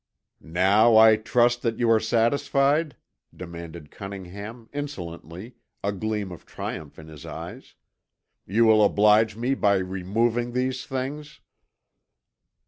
"Now I trust that you are satisfied?" demanded Cunningham, insolently, a gleam of triumph in his eyes. "You will oblige me by removing these things."